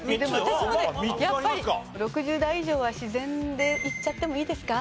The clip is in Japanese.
６０代以上は自然でいっちゃってもいいですか？